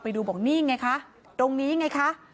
ไปดูบอกนี่ไงคะ